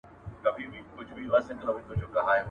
• د انسان مخ د خداى له نوره دئ.